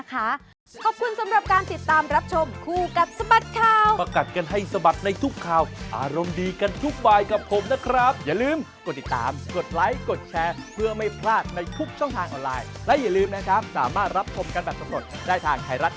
ครับนะคะทุกด้านก็แล้วกันนะคะ